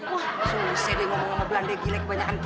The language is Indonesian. wah sulit sih denger ngomong sama belanda gilek banyak antiju